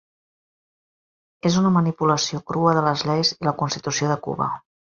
És una manipulació crua de les lleis i la Constitució de Cuba.